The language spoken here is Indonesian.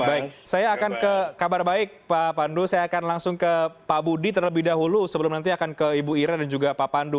baik saya akan ke kabar baik pak pandu saya akan langsung ke pak budi terlebih dahulu sebelum nanti akan ke ibu ira dan juga pak pandu